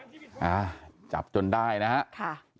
อักจับจนได้นะฮะ